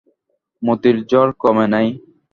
মতির জ্বর কমে নাই।